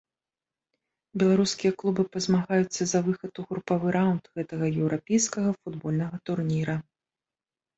Беларускія клубы пазмагаюцца за выхад у групавы раўнд гэтага еўрапейскага футбольнага турніра.